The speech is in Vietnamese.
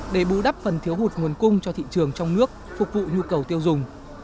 để bù đắp phần thiếu hụt nguồn cung cho thị trường trong nước phục vụ nhu cầu tiêu dùng